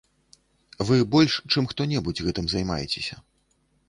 Вы больш, чым хто-небудзь, гэтым займаецеся.